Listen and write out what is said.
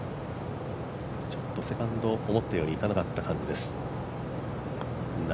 ちょっとセカンド、思ったようにいかなかった感じです。